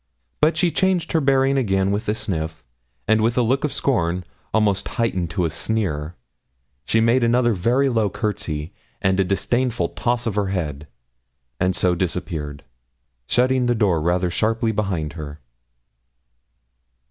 But she changed her bearing again with a sniff, and with a look of scorn, almost heightened to a sneer, she made another very low courtesy and a disdainful toss of her head, and so disappeared, shutting the door rather sharply behind her.